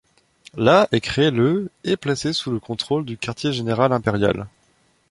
La est créée le et placée sous le contrôle du quartier-général impérial.